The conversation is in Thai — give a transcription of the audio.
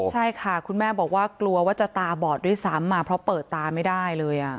ใช่ค่ะคุณแม่บอกว่ากลัวว่าจะตาบอดด้วยซ้ำมาเพราะเปิดตาไม่ได้เลย